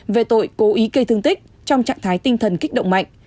về tội cố ý gây thương tích trong trạng thái tinh thần kích động mạnh